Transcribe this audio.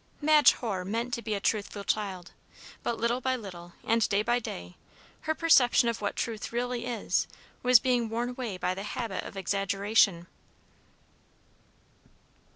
Madge Hoare meant to be a truthful child; but little by little, and day by day, her perception of what truth really is, was being worn away by the habit of exaggeration.